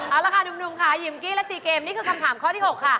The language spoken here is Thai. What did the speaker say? เอาละค่ะหนุ่มค่ะยิมกี้และซีเกมนี่คือคำถามข้อที่๖ค่ะ